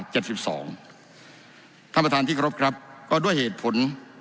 ท่านประธานที่เคารพครับก็ด้วยเหตุผล